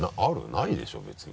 ないでしょ別に。